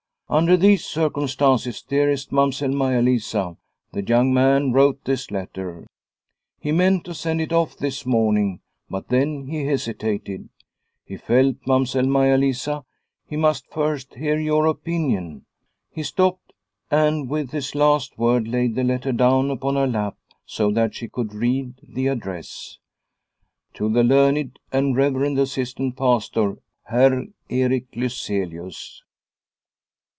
Under these cir cumstances, dearest Mamsell Maia Lisa, the young man wrote this letter. He meant to send it off this morning, but then he hesitated. He felt, Mamsell Maia Lisa, he must first hear your opinion." He stopped and with his last word laid the letter down upon her lap, so that she could read the address : "To the Learned and Reverend Assistant Pastor, Heir Erik Lyselius."